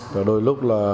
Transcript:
và đôi lúc là